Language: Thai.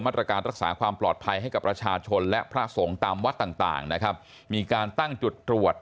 ตรการรักษาความปลอดภัยให้กับประชาชนและพระสงฆ์ตามวัดต่างต่างนะครับมีการตั้งจุดตรวจ